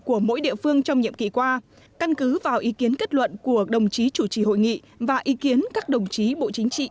của mỗi địa phương trong nhiệm kỳ qua căn cứ vào ý kiến kết luận của đồng chí chủ trì hội nghị và ý kiến các đồng chí bộ chính trị